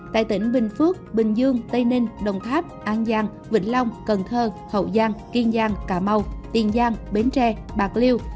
tại tỉnh bình phước bình dương tây ninh đồng tháp an giang vĩnh long cần thơ hậu giang kiên giang cà mau tiền giang bến tre bạc liêu